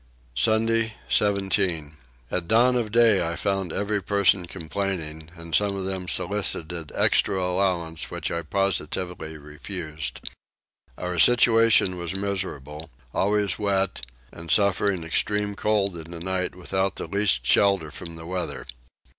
Sunday 17. At dawn of day I found every person complaining, and some of them solicited extra allowance, which I positively refused. Our situation was miserable: always wet, and suffering extreme cold in the night without the least shelter from the weather.